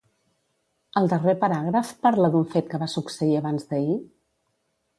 El darrer paràgraf parla d'un fet que va succeir abans-d'ahir?